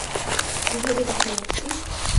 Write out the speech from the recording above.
ভেবে দেখো, রক্সি।